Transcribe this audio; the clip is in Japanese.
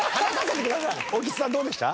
荻津さんどうでした？